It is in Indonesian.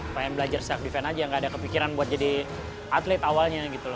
pengen belajar self defense aja gak ada kepikiran buat jadi atlet awalnya gitu loh